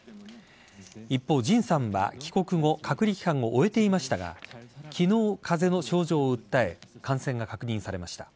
一方、ＪＩＮさんは帰国後隔離期間を終えていましたが昨日、風邪の症状を訴え感染が確認されました。